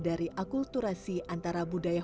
dari akulturasi antara budaya